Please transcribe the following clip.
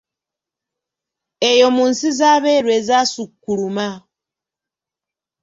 Eyo mu nsi z’abeeru ezaasukkuluma.